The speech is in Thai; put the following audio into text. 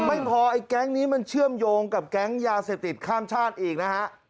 ไม่พอไอ้แก๊งนี้มันเชื่อมโยงกับแก๊งยาเสพติดข้ามชาติอีกนะฮะ